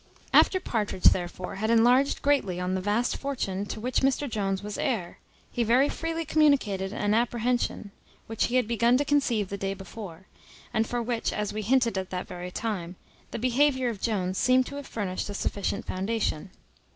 After Partridge, therefore, had enlarged greatly on the vast fortune to which Mr Jones was heir, he very freely communicated an apprehension, which he had begun to conceive the day before, and for which, as we hinted at that very time, the behaviour of Jones seemed to have furnished a sufficient foundation.